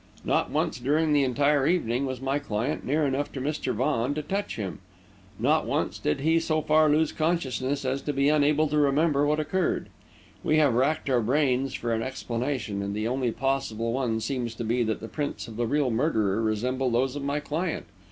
Not once, during the entire evening, was my client near enough to Mr. Vaughan to touch him; not once did he so far lose consciousness as to be unable to remember what occurred. We have racked our brains for an explanation, and the only possible one seems to be that the prints of the real murderer resemble those of my client.